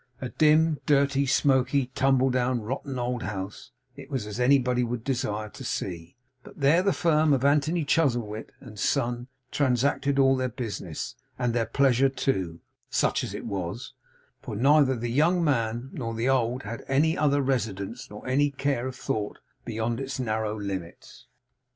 A dim, dirty, smoky, tumble down, rotten old house it was, as anybody would desire to see; but there the firm of Anthony Chuzzlewit and Son transacted all their business and their pleasure too, such as it was; for neither the young man nor the old had any other residence, or any care or thought beyond its narrow limits.